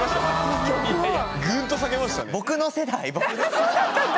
ぐんと下げましたね。